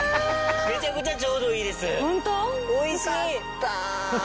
めちゃくちゃちょうどいいです。